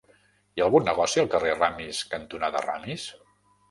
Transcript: Hi ha algun negoci al carrer Ramis cantonada Ramis?